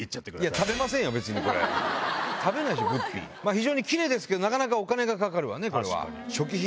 非常にキレイですけどなかなかお金がかかるわね。